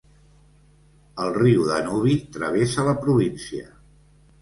El riu Danubi travessa la província.